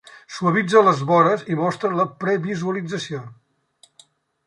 Suavitza les vores i mostra la previsualització.